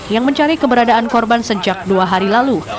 yang mencari keberadaan korban sejak dua hari lalu